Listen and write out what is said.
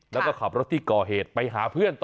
แล้วก็ขับรถที่ก่อเหตุไปหาเพื่อนต่อ